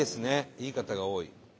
いい方が多い。